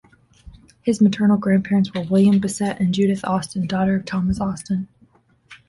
His maternal grandparents were William Basset and Judith Austen, daughter of Thomas Austen.